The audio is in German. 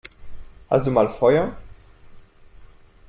Hast du mal Feuer?